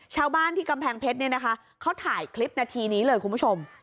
ชาวบ้านที่กำแพงเพชรเนี่ยนะคะเขาถ่ายคลิปนาทีนี้เลยคุณผู้ชม